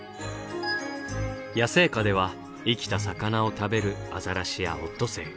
野生下では生きた魚を食べるアザラシやオットセイ。